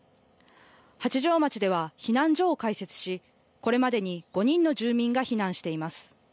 八丈町では避難所を開設し、これまでに５人の住民が避難しています。